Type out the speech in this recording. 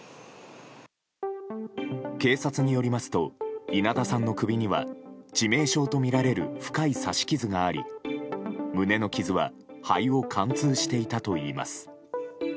警察によりますと稲田さんの首には致命傷とみられる深い刺し傷があり胸の傷は肺を貫通していたといいます。